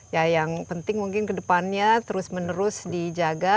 ya yang penting mungkin kedepannya terus menerus dijaga